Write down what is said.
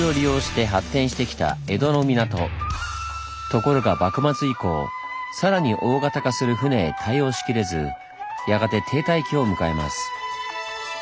ところが幕末以降さらに大型化する船へ対応しきれずやがて停滞期を迎えます。